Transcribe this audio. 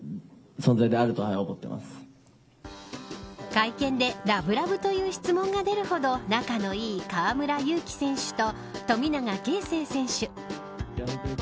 会見でラブラブという質問が出るほど仲のいい河村勇輝選手と富永啓生選手。